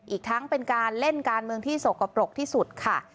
อีกทั้งเป็นการเล่นการเมืองที่สกปรกที่สุดค่ะ